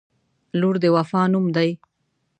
• لور د وفا نوم دی.